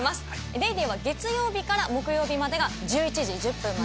『ＤａｙＤａｙ．』は月曜日から木曜日までが１１時１０分まで